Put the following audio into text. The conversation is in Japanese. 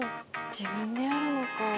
自分でやるのか。